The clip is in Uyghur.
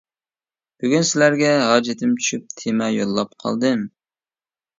بۈگۈن سىلەرگە ھاجىتىم چۈشۈپ تېما يوللاپ قالدىم.